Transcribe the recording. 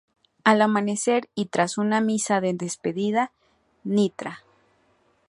Al amanecer y tras una misa de despedida, Ntra.